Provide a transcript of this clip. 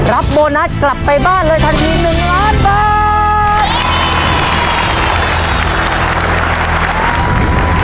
รับโบนัสกลับไปบ้านเลยทันทีหนึ่งล้านบาท